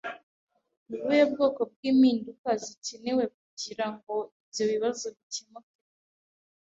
Ni ubuhe bwoko bw'impinduka zikenewe kugirango ibyo bibazo bikemuke?